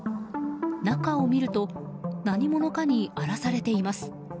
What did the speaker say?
中を見ると何者かに荒らされています。